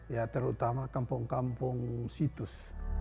ya terutama kampung kampung situs